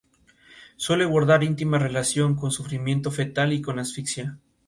Existe una variante civil, capaz de disparar sólo en modo semiautomático.